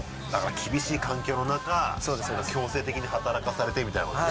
厳しい環境の中強制的に働かされてみたいなことね